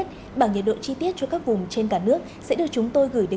đăng ký kênh để ủng hộ kênh của chúng mình nhé